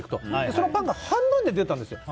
そのパンが半分で出たんです。